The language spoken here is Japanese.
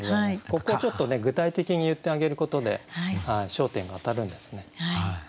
ここちょっと具体的に言ってあげることで焦点が当たるんですね。